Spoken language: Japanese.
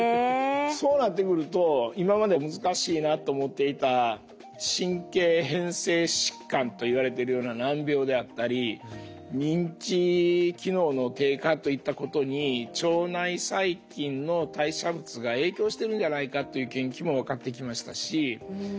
そうなってくると今まで難しいなと思っていた神経変性疾患といわれてるような難病であったり認知機能の低下といったことに腸内細菌の代謝物が影響してるんじゃないかという研究も分かってきましたし腸だけじゃないんですね。